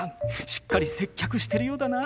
しっかり接客してるようだな。